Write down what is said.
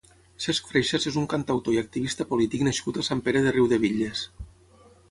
Cesk Freixas és un cantautor i activista polític nascut a Sant Pere de Riudebitlles.